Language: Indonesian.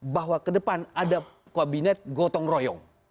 bahwa ke depan ada kabinet gotong royong